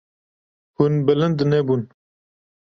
Hûn bilind nebûn.